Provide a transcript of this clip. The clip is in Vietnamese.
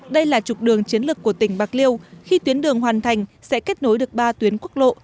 đây là trục đường chiến lược của tỉnh bạc liêu khi tuyến đường hoàn thành sẽ kết nối được ba tuyến quốc lộ